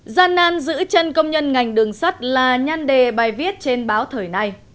gian nan giữ chân công nhân ngành đường sắt là nhan đề bài viết trên báo thời nay